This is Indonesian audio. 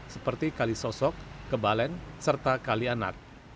seperti kalisosok kebalen serta kalianak